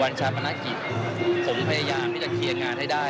ชาปนกิจผมพยายามที่จะเคลียร์งานให้ได้